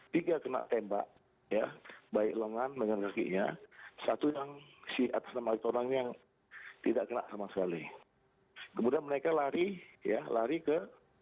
tiga kena tembak ya baik lengan dengan kakinya satu yang si atas nama orang yang tidak kena sama sekali kemudian mereka lari ya lari ke